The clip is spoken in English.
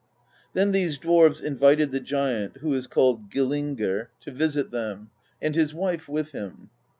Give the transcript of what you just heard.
"Then these dwarves invited the giant who is called Gil lingr to visit them, and his wife with him.